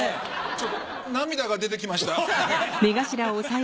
ちょっと涙が出て来ました。